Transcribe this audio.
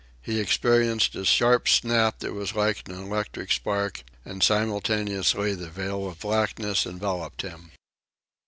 He experienced a sharp snap that was like an electric spark, and, simultaneously, the veil of blackness enveloped him.